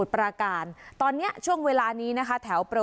โดยการติดต่อไปก็จะเกิดขึ้นการติดต่อไป